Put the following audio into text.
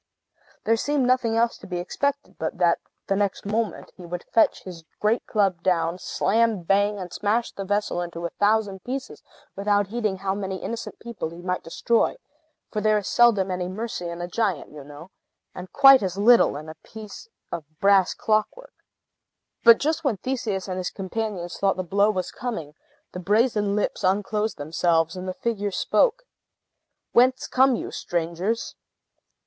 There seemed nothing else to be expected but that, the next moment, he would fetch his great club down, slam bang, and smash the vessel into a thousand pieces, without heeding how many innocent people he might destroy; for there is seldom any mercy in a giant, you know, and quite as little in a piece of brass clockwork. But just when Theseus and his companions thought the blow was coming, the brazen lips unclosed themselves, and the figure spoke. "Whence come you, strangers?"